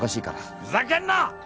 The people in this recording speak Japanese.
ふざけんな！